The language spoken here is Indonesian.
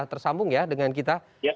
tersambung ya dengan kita